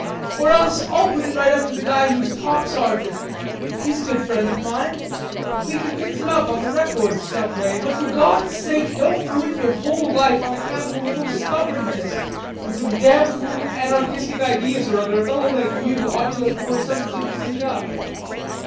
Or else I'll put it right up to the guy who's top sergeant. He's a good friend of mine. We can fix it up on the records some way. But for God's sake don't ruin your whole life on account of a little stubbornness, and some damn fool anarchistic ideas or other a feller like you ought to have had more sense than to pick up...."